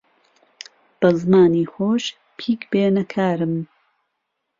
به زمانی خۆش پیک بێنه کارم